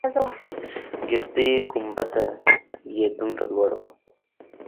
ګردۍ گنبده يې دومره لوړه وه.